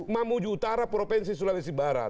mamuju utara provinsi sulawesi barat